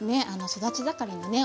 育ち盛りのね